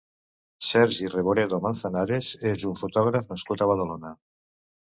Sergi Reboredo Manzanares és un fotògraf nascut a Badalona.